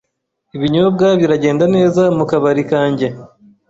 Ibinyobwa biragenda neza mukabarikanjye